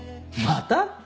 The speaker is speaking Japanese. また？